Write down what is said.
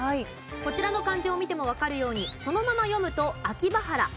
こちらの漢字を見てもわかるようにそのまま読むとあきばはらなんです。